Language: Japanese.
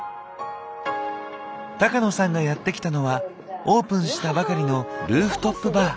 高野さんがやって来たのはオープンしたばかりのルーフトップバー。